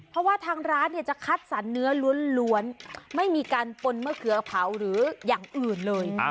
เพราะว่าทางร้านจะคัดสรรเนื้อล้วนไม่มีการปนเมื่อเกลือกะเพราหรืออย่างอื่นเลย